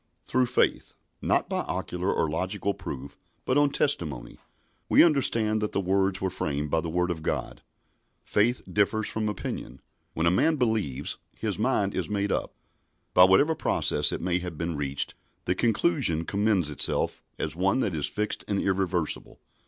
"Through faith" not by ocular or logical proof, but on testimony "we understand that the worlds were framed by the Word of God." Faith differs from opinion. When a man believes his mind is made up. By whatever process it may have been reached, the conclusion commends itself as one that is fixed and irreversible.